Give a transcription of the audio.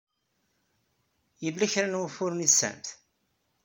Yella kra n wufuren ay tesɛamt?